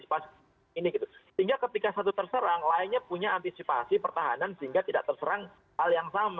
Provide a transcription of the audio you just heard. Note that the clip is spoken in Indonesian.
sehingga ketika satu terserang lainnya punya antisipasi pertahanan sehingga tidak terserang hal yang sama